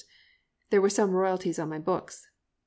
There were some royalties on my books.